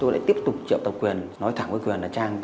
lại trong ngày ba tháng một mươi hai